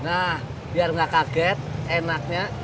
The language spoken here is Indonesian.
nah biar nggak kaget enaknya